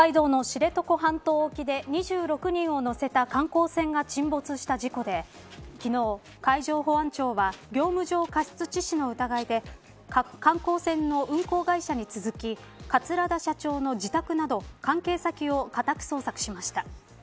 北海道の知床半島沖で２６人を乗せた観光船が沈没した事故で昨日、海上保安庁は業務上過失致死の疑いで観光船の運航会社に続き桂田社長の自宅など関係先を家宅捜索しました。